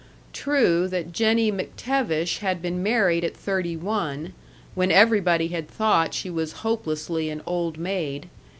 True that Jennie McTevish had been married at thirty one, when everybody had thought she was hopelessly an old maid.